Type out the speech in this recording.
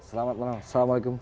selamat malam assalamualaikum